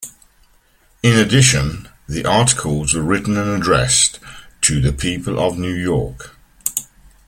In addition, the articles were written and addressed "To the People of New York".